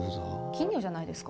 金魚じゃないですか？